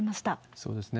そうですね。